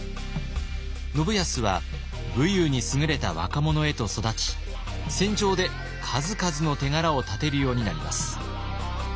信康は武勇にすぐれた若者へと育ち戦場で数々の手柄をたてるようになります。